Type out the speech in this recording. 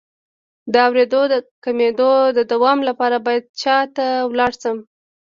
د اوریدو د کمیدو د دوام لپاره باید چا ته لاړ شم؟